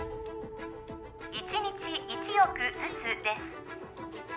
１日１億ずつです